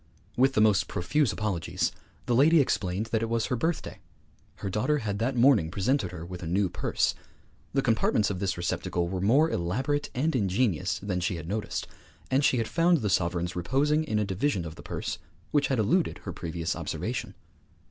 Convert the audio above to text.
With the most profuse apologies, the lady explained that it was her birthday; her daughter had that morning presented her with a new purse; the compartments of this receptacle were more elaborate and ingenious than she had noticed; and she had found the sovereigns reposing in a division of the purse which had eluded her previous observation.